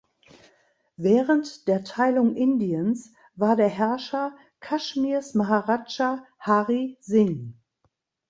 Während der Teilung Indiens war der Herrscher Kaschmirs Maharaja Hari Singh.